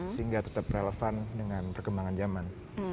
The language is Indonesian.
sehingga tetap relevan dengan perkembangan zaman